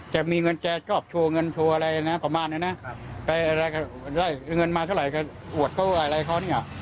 ได้เงินมาเท่าไหร่ก็อวดเข้าไว้ให้เขา